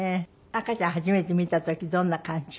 赤ちゃん初めて見た時どんな感じ？